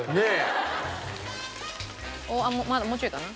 おっまだもうちょいかな？